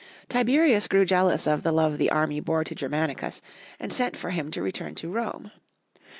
Tiberius grew jealous of the love the army bore to Germanicus, and sent for him to return to Rome.